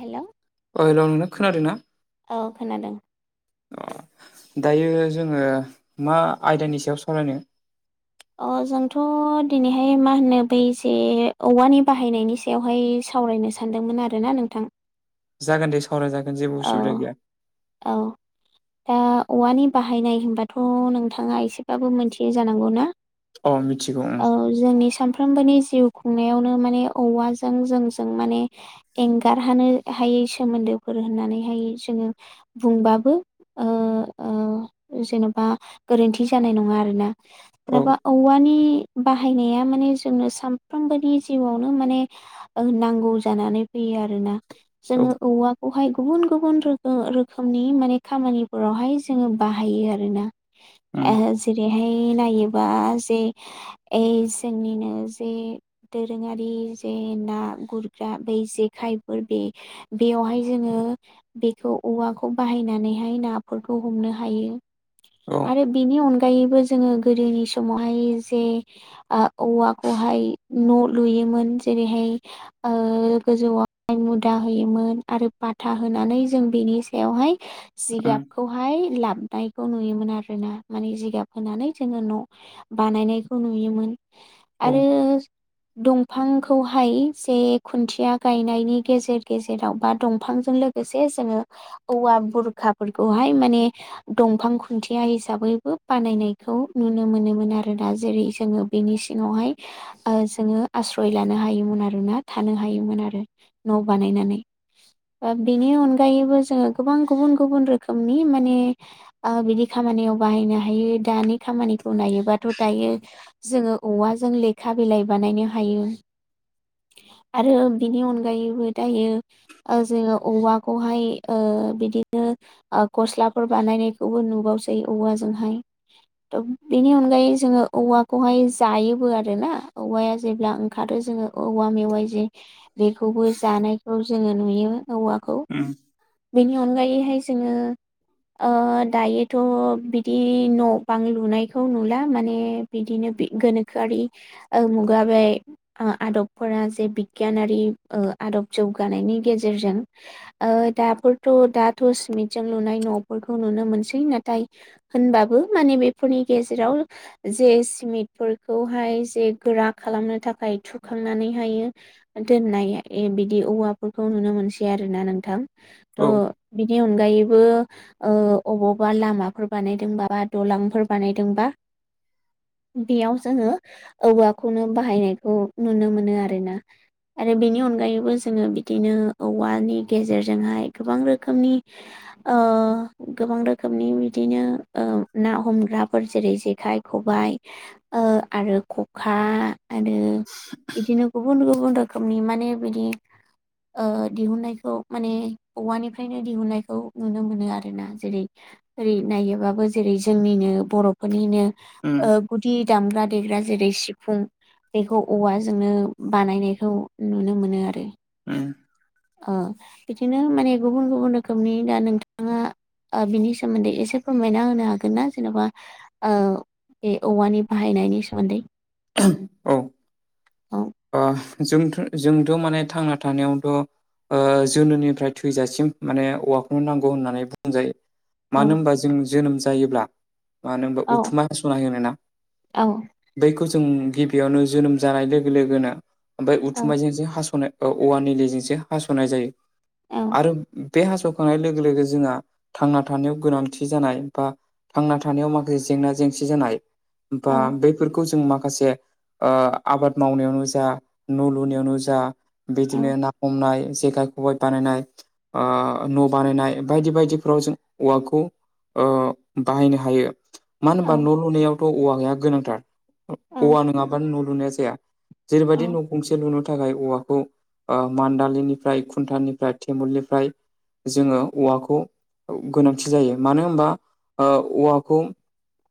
Hello ओ hello नोङो खोनादोंना औ खोनादों दायो जोङो मा आयदानि सायाव सावरायनो अ जोंथ' दिनैहाय मा होनो बै जे औवानि बाहायनायनि सा यावहाय सावरायनो सानदोंमोन आरोना नोंथां जागोन दे सावरायजागोन जेबो औ उसुबिदा गैया औ दा औवानि बाहायनाय होनबाथ' नोंथाङा एसेबाबो मोनथियो जानांगौ ना अ मिथिगौ औ जोंनि सानफ्रो मबोनि जिउ खुंनायावनो माने औवाजों जोंजों माने एंगारहानो हायै सोमोन्दोफोर होननानैहाय जोङो बुंबाबो ओ ओ जेन'बा गोरोन्थि जानाय नङा आरोना ओं दाबा औवानि बाहायनाया माने जोंनो सानफ्रोमबोनि जिउआवनो माने नांगौ जानानै फैयो आरो ना औ जोंङो औवाखौहाय गुबुन गुबुन रोखोम रोखोमनि माने खामानिफोरावहाय जोंङो बाहायो आरोना उम जेरैहाय नायोबा जे जोंनिनो जे दोरोङारि जे ना गुरग्रा बै जेखायफोर बे बेयावहाय जोंङो बेखौ औवाखौ बाहायनानैहाय नाफोरखौ हमनो हायो औ आरो बिनि अनगायैबो जोङो गोदोनि समावहाय जे औवाखौहाय न' लुयोमोन जेरैहाय गोजौआव मुदा होयोमोन आरो बाथा होनानै जों बेनि सहाय उम जिगाबखौहाय लाबनाय खौ नुयोमोन आर ना माने जिगाब फानै जोंङो न' बानायनायखौ नुयोमोन औ आरो दंफांखौहाय जे खुन्थिया गायनायनि गेजेर गेजेराव बा दंफांजों बिसेसनो औवा बुरखाफोरखौहाय माने दंफां खुन्थिया हिसाबैबो बानायनायखौ नुनो मोनोमोन आरोोना जेरै जोंङो बिनि सिङावहाय जोंङो आस्रय लानो हायोमोन आरोना थानो हायोमोन आरो न' बानायनानै बा बेनि अनगायैबो जोंङो गोबां गुबुन गुबुन रोखोमनि माने बिदि खामानियाव बाहायनो हायो दानि खामानिखौ नायोबाथ' दायो जोंङो औवाजों लेखा बिलाइ बानायनो हायो आरो बिनि अनगायैबो दायो जोङो औवाखौहाय बिदिनो गस्लाफोर बानायनायखौबो नुबावसै औवाजोंहाय थ' बेनि अनगायै जोङो औवाखौहाय जायोबो आर ना औवाया जेब्ला ओंखारो जोंङो औवा मेवाइ जे बेखौबो जानायखौ जोंङो नुयो औवाखौ उम बेनि अनगायैहाय जोंङो ओ दायोथ' बिदि न' बां लुनायखौ नुला माने बिदिनो बि गोनोखोआरि ओ मुगाबाय ओ आदबफोरा जे बिगियानारि ओ आदब जौगानायनि गेजेरजों ओ दाफोरथ' दाथ' सिमिटजों लुनाय न'फोरखौ नुनो मोनसै नाथाय होनबाबो माने बेफोरनि गेजेराव जे सिमिटफोरखौहाय जे गोरा खालामनो थाखाय थुखांनानैहायो दोननाय ए बिदि औवाफोरखौ नुनो मोनसै आरोना नोंथां थ' औ बिनि अनगायैबो ओ अबावबा लामाफोर बानायदोंबा बा दलांफोर बानायदोंबा बेयाव जोङो औवाखौनो बाहायनायखौ नुनो मोनो आरो ना। आरो बेनि अनगायैबो जोङो बिदिनो औवानि गेजेरजोंहाय गोबां रोखोमनि ओ गोबां रोखोमनि बिदिनो ओ ना हमग्राफोर जेरै जेखाय खबाइ ओ आरो खखा आरो बिदिनो गुबुन गुबुन रो खोमनि माने बिदि ओ दिहुननायखौ माने औवानिफ्रायनो दिहुननायखौ नुनो मोनो आरो ना। जेरै ओरै नायोबाबो जेरै जोंनिनो बर'फोरनिनो उम ओब गुदि दामग्रा देग्रा जेरै सिफुं बेखौ औवाजोंनो बानायनायखौ नुनो मोनो आरो। उम ओ बिदिनो माने गुबुन गुबुन रोखोमनि दा नोंथाङा आ बिनि सोमोन्दै एसे फोरमायना होनो हागोन ना जेन'बा आव बे औवानि बाहायनायनि सोमोन्दै? औ औ आ जोंथ' जोंथ' माने थांना थानायावथ' ओ जोनोनिफ्राय थैजासिम माने औवाखौनो नांगौ होननानै बुंजायो। औ मानो होमबा जों जोनोम जायोब्ला मानो होमबा औ उथुमा हास'नाय होनोना औ बैखौ जों गिबियावनो जोनोम जानाय लोगो लोगोनो ओमफाय औ उथुमायजों जे हास'नो औ औवानि निलिजोंसो हास'नाय जायो औ आरो बे हास'खांनाय लोगो लोगो जोंहा थांना थानायाव गोनांथि जानाय बा थांना थानायाव माखासे जेंना जेंसि जानाय औ बा बेफोरखौ जों माखासे ओ आबाद मावनायावनो जा न' लुनायावनो जा औ बिदिनो ना हमनाय जेखाइ खबाय बानायनाय आ न' बानायनाय बायदि बायदिफ्राव जों औवाखौ अ बाहायनो हायो। मानो औ होमबा न' लुनायावथ' औवाया गोनांथार औ औवा नंङाबानो न' लुनाया जाया। औ जेरैबायदि न' गंसे लुनो थाखाय औवाखौ ओ मान्दालिनिफ्राय खुन्थनिफ्राय तेमुलनिफ्राय जोङो औवाखौ औ गोनांथि जायो मानो होनबा ओ औवाखौ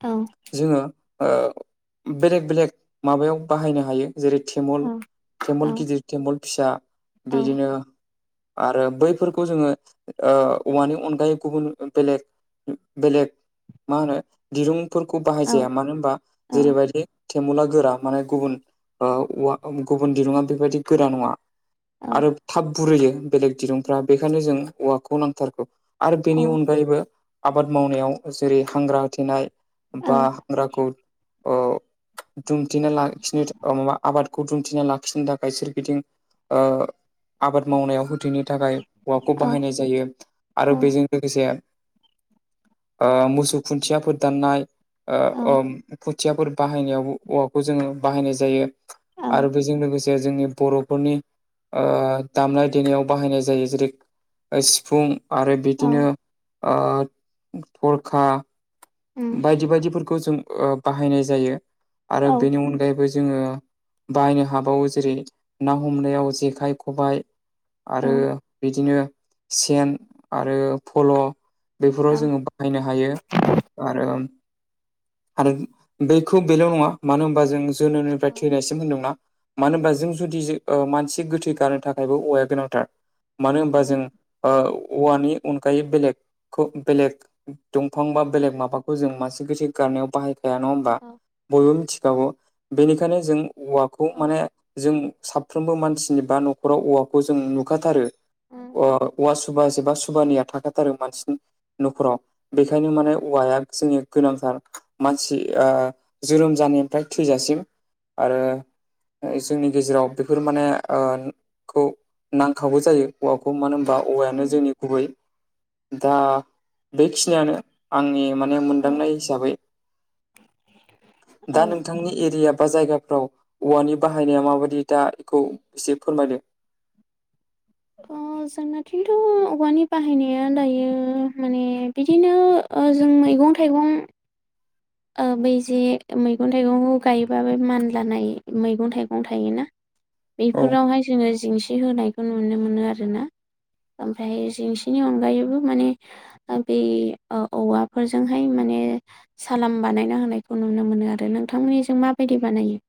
औ जोङो ओ बेलेग बेलेग माबायाव बाहायनो हायो। जेरै तेमल [inaudible] तेमल गिदिर तेमल फिसा औ बिदिनो आरो बैफोरखौ जोङो ओ औवानि अनगायै गुबुन बेलेग बेलेग मा होनो दिरुंफोरखौ बाहायजाया मानो होनबा जेरैबायदि थेमुला गोरा माने गुबुन ओ औवा गुबुन दिरुंङा बेबायदि गोरा नङा। आरो थाब बुरैयो बेलेग दिरुंफ्रा बेखायनो जों औवाखौ नांथारगौ। आरो बेनि अनगायैबो आबाद मावनायाव जेरै हांग्रा होथेनाय बा औ हाग्राखौ ओ दुमथिना लाखिनो माबा आबाद खौ दुमथिना लाखिनो थाखाय सोरगिदिं ओ आबाद मावनायाव होथेनो थाखाय औवाखौ बाहायनाय जायो आरो बेजों लोगोसे ओ मोसौ खुन्थियाफोर दाननाय ओ ओम खुथियाफोर बाहायनायाव औवाखौ जोङो बाहायनाय जायो आरो औ बेजों लोगोसे जोंनि बर'फोरनि ओ दामनाय देनायाव बाहायनाय जायो जेरै सिफुं आरो औ बिदिनो ओ थरखा उम बायदि बायदिफोरखौ जों बाहायनाय जायो औ आरो औ बेनि अनगायैबो जोङो बाहायनो हाबावो जेरै ना हमनायाव जेखाइ खबाइ औ आरो बिदिनो सेन आरो फल' औ बेफोराव जोङो बा बयहायनो हायो आरो आरो बैखौ बेल' नङा मानो होनबा जों जोनोमनिफ्राय थैनायसिम होनदोंना मानो होनबा जों जुदि ओ मानसि गोथै गारनो थाखायबो औवाया गोनांथार मानो होनबा जों औ ओ औवानि अनगायै बेलेगखौ बेलेग दंफां बा बेलेग माबाखौ जों मानसि गोथै गारनायाव बाहाय ग्रा नङा होनबा औ बयबो मिथिखागौ बेनिखायनो जों औवाखौ माने जों साफ्रोमबो मानसिनि बा न'खराव औवाखौ जों नुखाथारो अ औवा सुबासेबा सुबानैया थाखाथारो मानसिनि न'खराव बेखायनो माने औवाया जोंनि गोनांथार मानसिआ जोनोम जानायनिफ्राय थैजासिम आरो जोंनि गेजेराव बेफोर माने ओ खौ नांखाबो जायो हौवाखौ मानो होन बा औवायानो जोंनि गुबै दा बेखिनियानो आंनि माने औ मोनदांनाय हिसाबै [inaudible] औ दा नोंथां नोंथांनि एरिया बा जायगाफ्राव औवानि बाहायनाया माबायदि दा बेखौ एसे फोरमायदो अ जोंना खिन्थु औवानि बाहायनाया दायो माने बिदिनो ओ जों मैगं थाइगं ओ बै जे मैगं थाइगंखौ गायोबा बे मानलानाय मैगं थाइगं थायोना औ बेफोरावहाय जोङो जेंसि होनायखौ नुनो मोनो आरोना ओमफ्राय जेंसिनि अनगायैबो माने बे औ औवाफोरजोंहाय माने सालाम बानायना होनायखौ नुनो मोनो आरो नोंथांमोननिजों माबायदि बानायो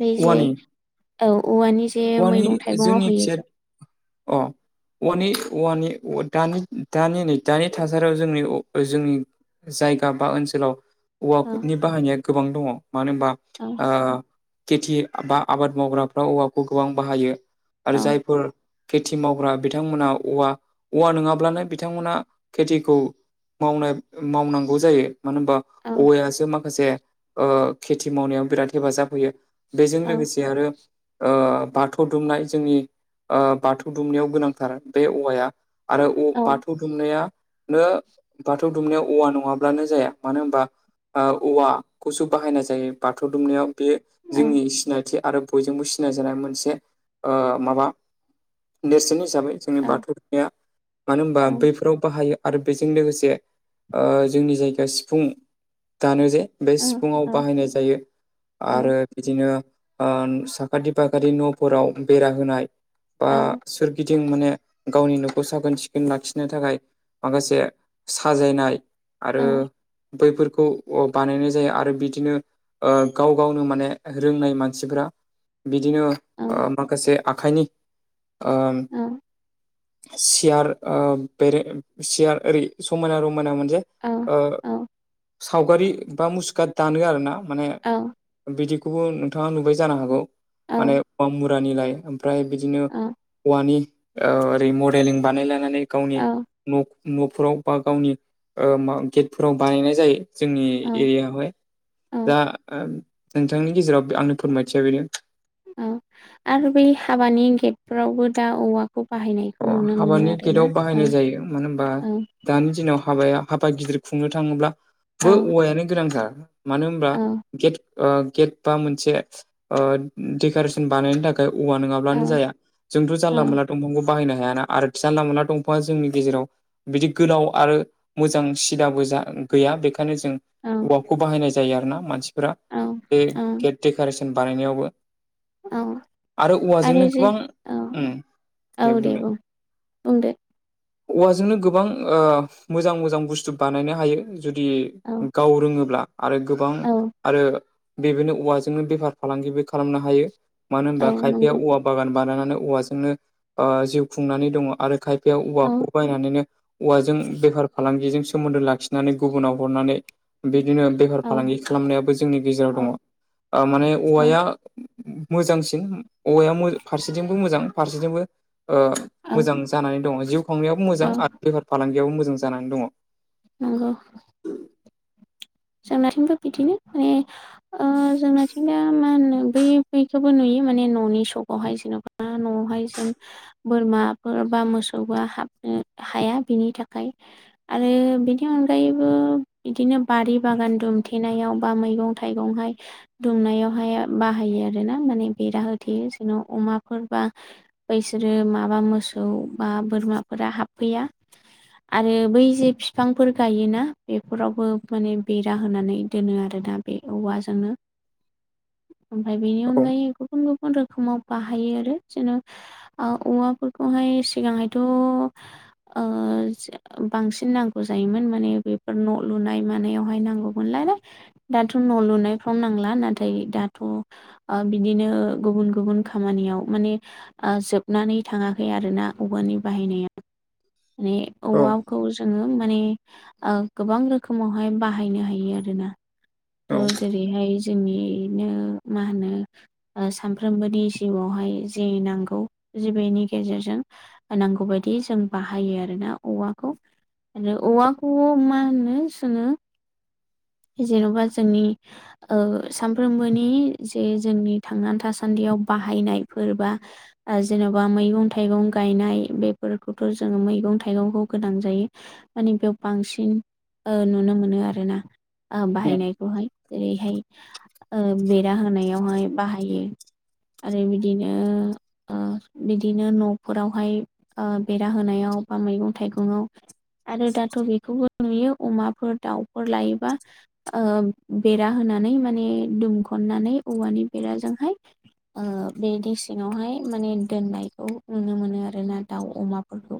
बै जे औवानि औ औवानि जे औवानि मैगं थाइगङाव जोंनि होयो खिया जे अ औवानि औवानि औव दानि दानि नै दानि थासारियाव जोंनि जोंनि जायगा बा ओनसोलाव औ औवाफोरनि बाहायनाया गोबां दङ मानो होनबा औ ओ खेथि बा आबाद मावग्राफ्रा औवाखौ गोबां बाहायो आरो औ जायफोर खेथि मावग्रा बिथांमोना औवा औवा नङाब्लानो बिथांमोना खेथिखौ मावनाय मावनांगौ जायो मानो होनबा औ औवायासो माखासे ओ खेथि मावनायाव बिराद हेफाजाब होयो बेजों औ लोगोसे आरो ओ बाथौ दुमनाय जोंनि ओ बाथौ दुमनायाव गोनांथार बे औवाया आरो औ बाथौ दुमनाया नो बाथौ दुमनायाव औवा नङाब्लानो जाया मानो होनबा आ औवाखौसो बाहायनाय जायो बाथौ दुमनायाव बे जोंनि औ सिनायथि आरो बयजोंबो सिनायजानाय मोनसे ओ माबा देरसिन हिसाबै जोंनि औ बाथौ दुमनाया मानो होनबा बैफोराव बाहायो आरो बेजों लोगोसे ओ जोंनि जायगाया सिफुं दानो जे बे सिफुुंङाव बाहायनाय जायो आरो बिदिनो साखाथि फाखाथि न'फोराव बेरा होनाय बा सोर गिदिं माने गावनि न'खौ साखोन सिखोन लाखिनो थाखाय माखासे साजायनाय आरो बैफोरखौ बानायनाय जायो आरो बिदिनो गाव गावनो माने रोंनाय मानसिफोरा बिदिनो माखासे आखाइनि ओ सियार बेरे सियार ओरै समायना रमायना मोनसे औ ओ सावगारि बा मुसुखा दानो आरोना माने बिदि बेखौबो नोंथाङा नुबाय जानो हागौ माने अ मुरानिलाय ओमफ्राय बिदिनो औवानि ओरै मडेलिं बानायलानानै गावनि न'फोराव बा गावनि गेटफोराव बानायनाय जायो जोंनि एरियायावहाय दा नोंथांनि गेजेराव आंनो फोरमायथिया बेनो औ आरो बै हाबानि गेटफोरावबो दा औवाखौ बाहायनायखौ अ नुनो मोनो हाबानि आरोना गेटाव औ बाहायनाय जायो मानो होनबा औ दानि दिनाव हाबाया हाबा गिदिर खुंनो थाङोब्ला ब औ औवायानो गोनांथार मानो होनब्ला औ गेट गेट बा मोनसे डेक'रेसन बानायनो थाखाय औवा नङाबा औ जाया जोंथ' औ जानला मोनला दंफांखौ बाहायनो हायाना आरो जानला मोनला दंफांआ जोंनि गेजेराव बिदि गोलाव आरो मोजां सिदाबो जा गैया बेखायनो जों औ औवाखौ बाहायनाय जायो आरो ना मानसिफोरा औ बे गेट डेक'रेसन बानायनायावबो औ आरो औवाजोंनो जे गोबां औ औ दे बुंदों बुं बुंदो औवाजोंनो गोबां मोजां मोजां बुस्थु बानायनो हायो जुदि औ गाव रोङोब्ला आरो गोबां औ आरो बेबायनो [unintelligible] औवाजोंनो बेफार फालांगिबो खालामनो हायो मानो औ होनबा खायफाया नंगौ औवा बागान बानायनानै औवाजोंनो जिउ खुंनानै दङ आरो खायफाया औ औवाखौ बायनानैनो औवाजों बेफार फालांगिजों सोमोन्दो लाखिनानै गुबुनाव हरनानै बिदिनो बेफार औ फालांगि खालामनायाबो जोंनि गेजेराव औ दङ माने औ औवाया मोजांसिन औवाया फारसेथिंबो मोजां फारसेथिंबो औ मोजां जानानै दङ जिउ खोंनायाबो औ मोजां आरो बेफार फालांगियाबो मोजां जानानै दङ नंगौ जोंनाथिंबो बिदिनो माने जोंनाथिंया मा होनो बै खौबो नुयो माने न'नि सकावहाय जेन'बा न'आवहाय जेन बोरमाफोर बा मोसौआ हाबनो हाया बिनि थाखाय आरो बिनि अनगायैबो बिदिनो बारि बागान दुमथेनायाव बा मैगं थाइगंहाय दुमनायावहाय बाहायो आरो ना माने बेरा होथेयो जोंनाव अमाफोर बा बैसोरो माबा मोसौ बा बोरमाफोरा हाबफैया आरो बै जे बिफांफोर गायोना बेफोरावबो माने बेरा होनानै दोनो आरोना बे औवाजोंनो ओमफ्राय बेनि औ अनगायै गुबुन गुबुन रोखोमाव बाहायो आरो जेन' औवाफोरखौहाय सिगांहायथ' बांसिन नांगौ जायोमोन माने बेफोर न' लुनाय मानायाव बेहाय नांगौमोनलाय दाथ' न' लुनायफ्राव नांला नाथाय दाथ' बिदिनो गुबुन गुबुन खामानियाव माने जोबनानै थाङाखै आरोना औवानि बाहायनाया माने औ औवाखौ जोङो माने गोबां रोखोमावहाय बाहायनो हायो आरोना औ थ' जेरैहाय जोंनिनो मा होनो सानफ्रोमबोनि जिउआवहाय जि नांगौ जिबिनि गेजेरजों नांगौ बायदि जों बाहायो आरो ना औवाखौ आरो औवाखौबो मा होनो जोङो जेन'बा जोंनि ओ सानफ्रोमबोनि जे जोंनि थांनानै थासान्दियाव बाहायनायफोर बा ओ जेन'बा मैगं थाइगं गायनाय बेफोरखौथ' जोङो मैगं थाइगंखौ गोनां जायो माने बेयाव बांसिन नुनो मोनो आरो ना उम बाहायनाय बेखौहाय ओरैहाय ओ बेरा होनायावहाय बाहायो आरो बिदिनो ओ बिदिनो न'फोरावहाय ओ बेरा होनायाव बा मैगं थाइगङाव आरो दाथ' बेखौबो नुयो अमाफोर दाउफोर लायोबा बेरा होनानै माने दुमखननानै औवानि बेराजोंहाय ओ बे दैसेङावहाय माने दोननायखौ नुनो मोनो आरो ना दाउ अमाफोरखौ